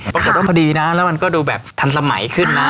พอดีนะแล้วมันก็ดูแบบทันสมัยขึ้นนะ